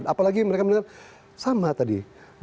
apalagi mereka benar benar sama tadi